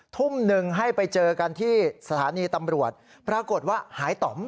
ทุ่มหนึ่งให้ไปเจอกันที่สถานีตำรวจปรากฏว่าหายต่อม